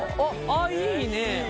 あいいね。